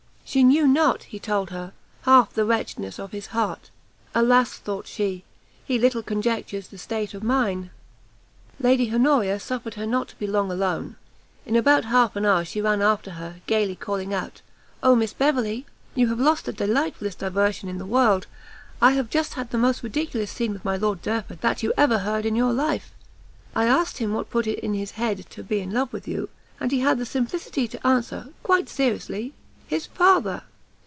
She knew not, he told her, half the wretchedness of his heart. Alas! thought she, he little conjectures the state of mine! Lady Honoria suffered her not to be long alone; in about half an hour she ran after her, gaily calling out, "O Miss Beverley, you have lost the delightfullest diversion in the world! I have just had the most ridiculous scene with my Lord Derford that you ever heard in your life! I asked him what put it in his head to be in love with you, and he had the simplicity to answer, quite seriously, his father!"